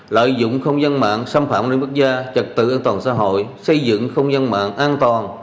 lợi dụng không gian mạng xâm phạm đến quốc gia trật tự an toàn xã hội xây dựng không gian mạng an toàn